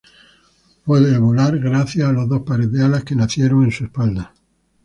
Puede volar gracias a los dos pares de alas que nacieron en su espalda.